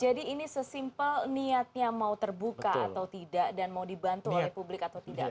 jadi ini sesimpel niatnya mau terbuka atau tidak dan mau dibantu oleh publik atau tidak